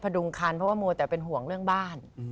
ดุงคันเพราะว่ามัวแต่เป็นห่วงเรื่องบ้าน